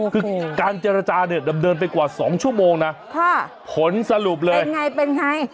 คือการเจรจาเนี่ยดำเนินไปกว่า๒ชั่วโมงนะผลสรุปเลยเป็นไงเป็นไง